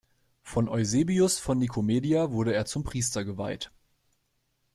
Von Eusebius von Nikomedia wurde er zum Priester geweiht.